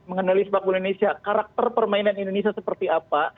mengenali sepak bola indonesia karakter permainan indonesia seperti apa